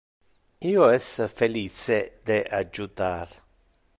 Io es felice de adjutar.